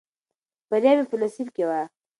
بریا مې په نصیب کې وه.